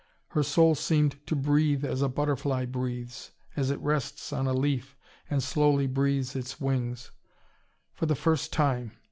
Her soul seemed to breathe as a butterfly breathes, as it rests on a leaf and slowly breathes its wings. For the first time!